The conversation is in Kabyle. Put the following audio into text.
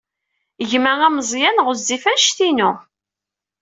Gma ameẓyan ɣezzif anect-inu.